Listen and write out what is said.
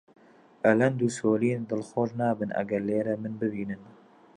ئەلەند و سۆلین دڵخۆش نابن ئەگەر لێرە من ببینن.